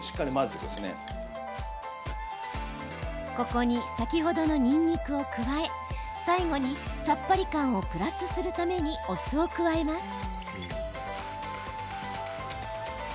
ここに先ほどのにんにくを加え最後に、さっぱり感をプラスするためにお酢を加えます。